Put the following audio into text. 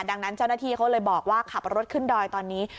ดังนั้นเจ้าหน้าที่เขาเลยบอกว่าขับรถขึ้นดอยตอนนี้